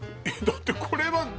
えっだってこれは。